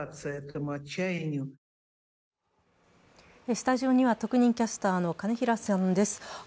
スタジオには特任キャスターの金平さんです。